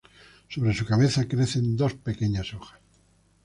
Sobre su cabeza crecen dos pequeñas hojas.